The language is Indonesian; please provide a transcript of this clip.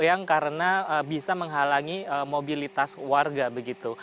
yang karena bisa menghalangi mobilitas warga begitu